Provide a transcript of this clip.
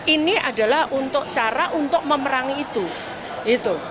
ini adalah untuk cara untuk memerangi itu